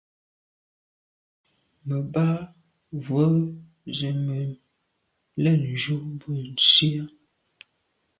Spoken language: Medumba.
Me ba we ze be me lem ju mbwe Nsi à.